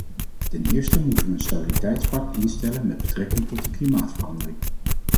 Ten eerste moeten we een stabiliteitspact instellen met betrekking tot de klimaatverandering.